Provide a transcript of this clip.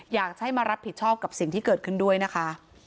อยากจะให้มารับผิดชอบกับสิ่งที่เกิดขึ้นด้วยนะคะ